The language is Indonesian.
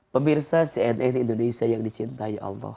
pemirsa cnn indonesia yang dicintai allah